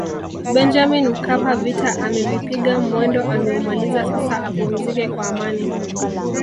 Benjamin Mkapa vita amevipiga mwendo ameumaliza sasa apumzike kwa amani